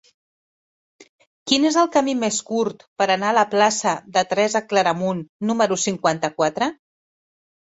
Quin és el camí més curt per anar a la plaça de Teresa Claramunt número cinquanta-quatre?